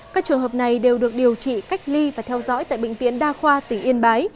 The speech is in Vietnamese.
các trường hợp này đều được điều trị cách ly và theo dõi tại bệnh viện đa khoa tỉnh yên bái